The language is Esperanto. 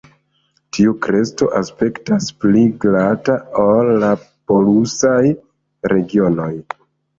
Tiu kresto aspektas pli glata ol la "polusaj" regionoj.